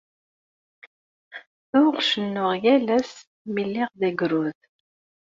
Tuɣ cennuɣ yal ass mi lliɣ d agrud.